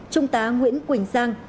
trung tá nguyễn quỳnh giang